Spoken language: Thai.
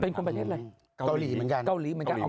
เป็นคนประเทศอะไรเกาหลีเหมือนกันเกาหลีเหมือนกัน